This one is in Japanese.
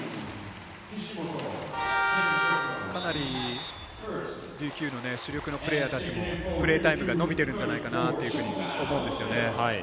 かなり琉球の主力のプレーヤーたちもプレータイムが伸びているんじゃないかなと思うんですよね。